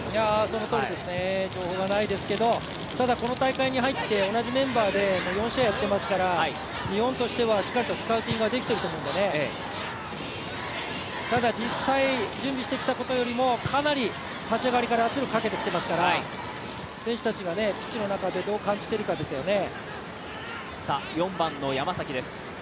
そのとおりですね、情報がないですけど、ただこの大会に入って同じメンバーで４試合やっていますから日本としてはしっかりとスカウティングができていると思うので、ただ実際、準備してきたことよりもかなり立ち上がりから圧力かけてきますから、選手たちがピッチの中でどう感じているかですよね。